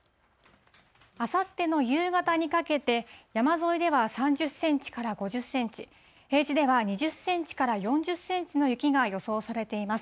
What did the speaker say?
あさっての夕方にかけて、山沿いでは３０センチから５０センチ、平地では２０センチから４０センチの雪が予想されています。